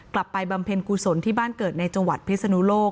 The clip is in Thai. บำเพ็ญกุศลที่บ้านเกิดในจังหวัดพิศนุโลก